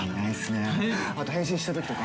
あと変身したときとか。